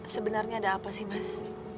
sebenarnya ada apa sih mas